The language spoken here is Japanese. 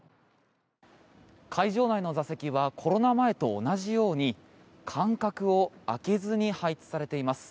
会場内の座席はコロナ前と同じように間隔を空けずに配置されています。